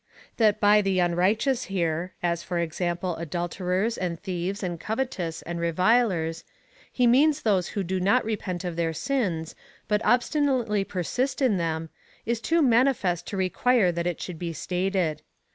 That by the unrighteous here, as for example adulterers, and thieves and covetous, and revilers, he means those who do not repent of their sins, but obstinately persist in them, is too manifest to require that it should be stated.